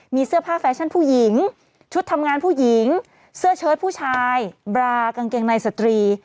มีเสื้อผ้าแฟชั่นผู้หญิงชุดทำงานผู้หญิงเสื้อเชิดผู้ชายบรากางเกงในสตรี